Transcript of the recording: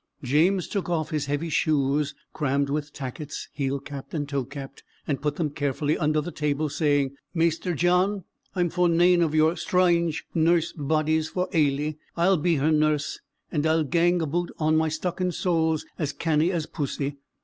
James took off his heavy shoes, crammed with tackets, heel capt and toe capt, and put them carefully under the table, saying, "Maister John, I'm for nane o'yer strynge nurse bodies for Ailie. I'll be her nurse, and I'll gang aboot on my stockin' soles as canny as pussy."